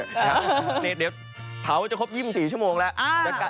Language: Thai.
เดี๋ยวเผาจะครบ๒๔ชั่วโมงแล้ว